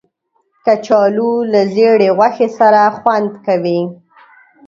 کچالو له زېړې غوښې سره خوند کوي